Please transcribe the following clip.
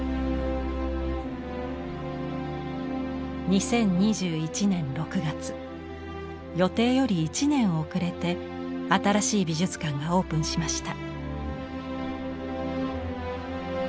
２０２１年６月予定より１年遅れて新しい美術館がオープンしました。